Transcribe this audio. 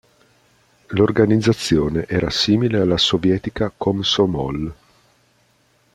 L'organizzazione era simile alla sovietica Komsomol.